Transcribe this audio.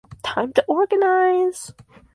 Time to organize!